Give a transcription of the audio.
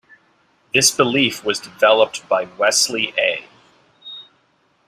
This belief was developed by Wesley A.